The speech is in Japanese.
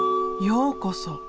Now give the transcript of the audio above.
ようこそ！